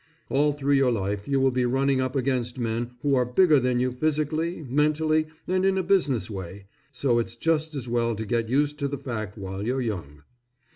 All through your life you will be running up against men who are bigger than you physically, mentally, and in a business way, so it's just as well to get used to the fact while you're young.